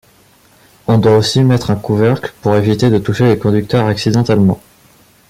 On doit aussi mettre un couvercle pour éviter de toucher les conducteurs accidentellement.